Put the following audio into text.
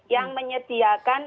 yang menyediakan dp